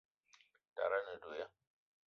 Tara a ne do ya?